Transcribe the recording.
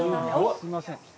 すいません。